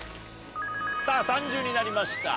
さぁ３０になりました。